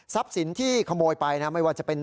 สินที่ขโมยไปนะไม่ว่าจะเป็น